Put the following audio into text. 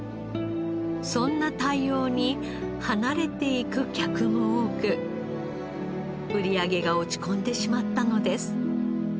そんな対応に離れていく客も多く売り上げが落ち込んでしまったのです。